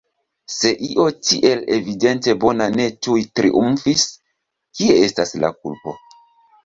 Se io tiel evidente bona ne tuj triumfis, kie estas la kulpo?